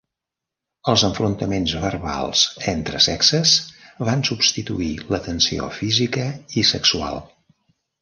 Els enfrontaments verbals entre sexes van substituir la tensió física i sexual.